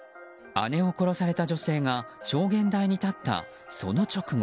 姉を殺された女性が証言台に立ったその直後。